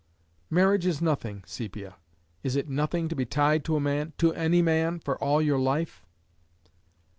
"Marriage is nothing, Sepia! Is it nothing to be tied to a man to any man for all your life?"